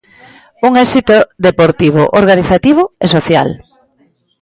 Un éxito deportivo, organizativo e social.